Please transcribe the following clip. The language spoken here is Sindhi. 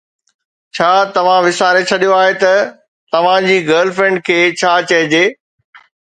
ڇا توهان وساري ڇڏيو آهي ته توهان جي گرل فرينڊ کي ڇا چئجي؟